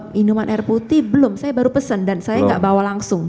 minuman air putih belum saya baru pesen dan saya nggak bawa langsung